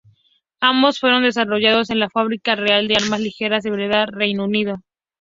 Ambos fueron desarrollados en la Fábrica Real de Armas Ligeras de Enfield, Reino Unido.